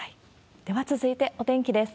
では続いてお天気です。